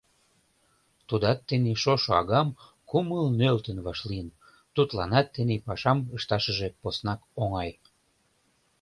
Тудат тений шошо агам кумыл нӧлтын вашлийын, тудланат тений пашам ышташыже поснак оҥай.